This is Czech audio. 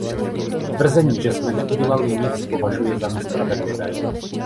Tvrzení, že jsme neudělali nic, považuji za nespravedlivé.